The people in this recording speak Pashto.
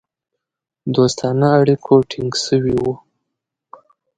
دوستانه اړیکو ټینګ سوي وه.